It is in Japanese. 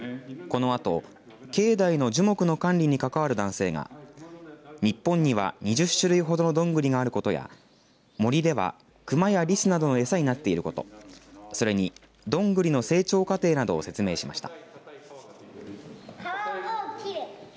このあと境内の樹木の管理に関わる男性が日本には２０種類ほどのどんぐりがあることや森では熊やりすなどの餌になっていることそれにどんぐりの成長過程などを説明しました。